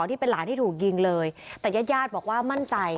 ที่เป็นหลานที่ถูกยิงเลยแต่ญาติญาติบอกว่ามั่นใจ